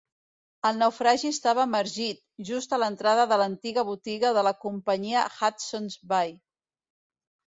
El naufragi estava emergit, just a l'entrada de l'antiga botiga de la companyia Hudson's Bay.